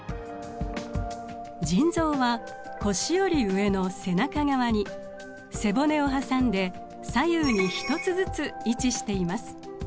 腎臓は腰より上の背中側に背骨を挟んで左右に一つずつ位置しています。